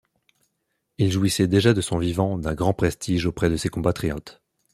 Il jouissait déjà de son vivant d'un grand prestige auprès de ses compatriotes.